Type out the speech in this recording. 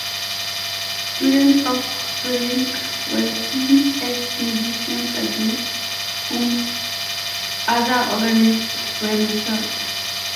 Students of Sweelinck were seen as musicians against whom other organists were measured.